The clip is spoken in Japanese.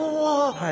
はい。